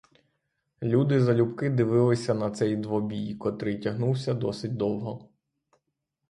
Люди залюбки дивилися на цей двобій, котрий тягнувся досить довго.